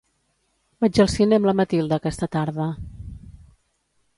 Vaig al cine amb la Matilde aquesta tarda.